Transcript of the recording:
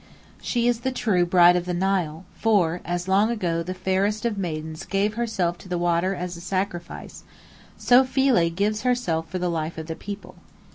She is the true Bride of the Nile; for, as long ago the fairest of maidens gave herself to the water as a sacrifice, so Philae gives herself for the life of the people.